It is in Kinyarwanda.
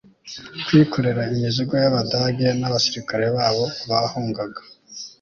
kwikorera imizigo y'abadage n'abasirikare babo bahungaga